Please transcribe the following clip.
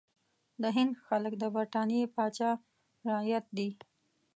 د هند خلک د برټانیې پاچا رعیت دي.